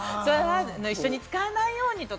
一緒に使わないようにとか。